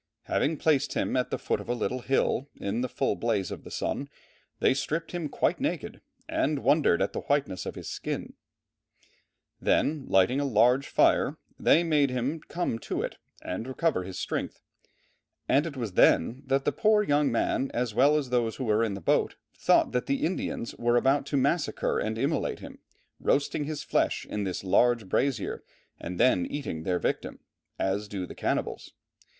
Having placed him at the foot of a little hill, in the full blaze of the sun, they stripped him quite naked and wondered at the whiteness of his skin; then lighting a large fire they made him come to it and recover his strength, and it was then that the poor young man as well as those who were in the boat, thought that the Indians were about to massacre and immolate him, roasting his flesh in this large brazier and then eating their victim, as do the cannibals.